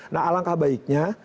nah alangkah baiknya